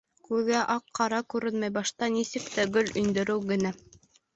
Күҙгә аҡ-ҡара күренмәй, башта нисек тә гол индереү генә.